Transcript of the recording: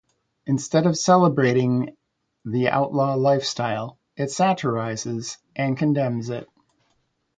Instead of celebrating the outlaw lifestyle, it satirizes and condemns it.